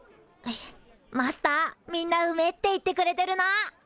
マスターみんな「うめえ」って言ってくれてるな。